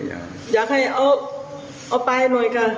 อยากให้เอาไปหน่อยค่ะ